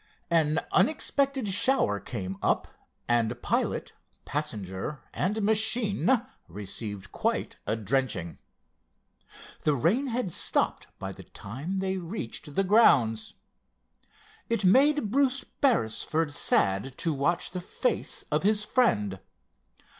An unexpected shower came up, and pilot, passenger and machine received quite a drenching. The rain had stopped by the time they reached the grounds. It made Bruce Beresford sad to watch the face of his friend.